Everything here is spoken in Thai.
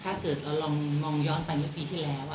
ถ้าเกิดเราลองมองย้อนไปในปีที่แล้ว